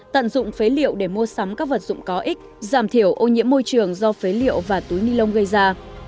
tận dụng phế liệu để mua sắm các vật dụng có ích giảm thiểu ô nhiễm môi trường do phế liệu và túi ni lông gây ra